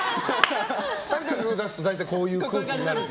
△を出すと大体こういう空気になるので。